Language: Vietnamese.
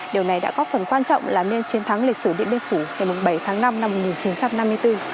điều này đã góp phần quan trọng làm nên chiến thắng lịch sử điện biên phủ ngày bảy tháng năm năm một nghìn chín trăm năm mươi bốn